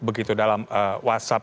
begitu dalam whatsapp